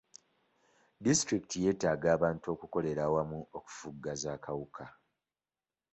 Disitulikiti yetaaga abantu okukolera awamu okufufugaza akawuka.